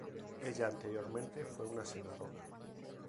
Ella anteriormente fue una senadora.